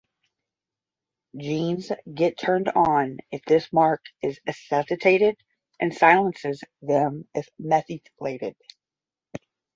Genes get turned on if this mark is acetylated and silences them if methylated.